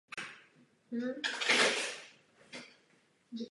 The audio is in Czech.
Stanou se svými nejlepšími kamarády.